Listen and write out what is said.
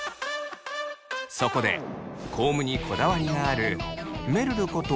そこでコームにこだわりがあるめるること